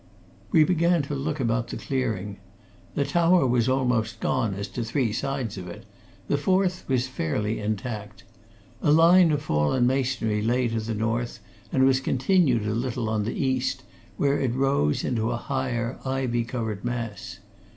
We began to look about the clearing. The tower was almost gone as to three sides of it; the fourth was fairly intact. A line of fallen masonry lay to the north and was continued a little on the east, where it rose into a higher, ivy covered mass.